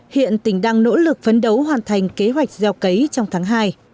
hiện tỉnh đang nỗ lực phấn đấu hoàn thành kế hoạch gieo cấy trong tháng hai